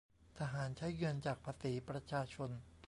ทหารใช้เงินจากภาษีประชาชน